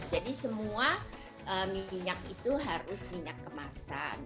jadi semua minyak itu harus minyak kemasan